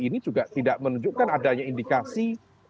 ini juga tidak menunjukkan adanya indikasi